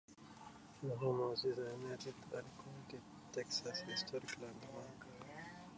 The home was designated a Recorded Texas Historic Landmark.